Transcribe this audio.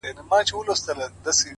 ما که یادوې که هېروې ګیله به نه لرم -